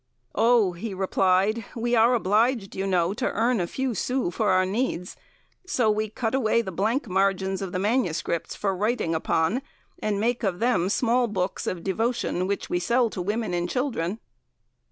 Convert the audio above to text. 'Oh!' he replied, 'we are obliged, you know, to earn a few sous for our needs, so we cut away the blank margins of the manuscripts for writing upon, and make of them small books of devotion, which we sell to women and children."